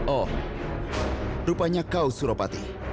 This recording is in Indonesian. oh rupanya kau suropati